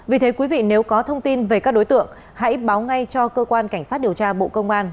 vì thế quý vị nếu có thông tin về các đối tượng hãy báo ngay cho cơ quan cảnh sát điều tra bộ công an